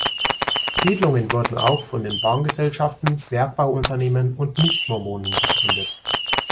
Siedlungen wurden auch von den Bahngesellschaften, Bergbauunternehmen und Nicht-Mormonen gegründet.